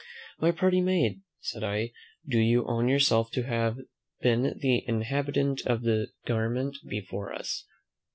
"My pretty maid," said I, "do you own yourself to have been the inhabitant of the garment before us?"